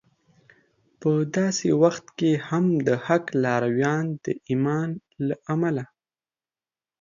په داسې وخت کې هم د حق لارویان د ایمان له امله